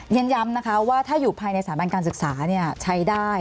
ฉันย้ำนะคะว่าถ้าอยู่ภายในสถาบันการศึกษาใช้ได้